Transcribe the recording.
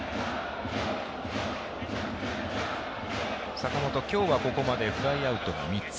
坂本、今日はここまでフライアウト３つ。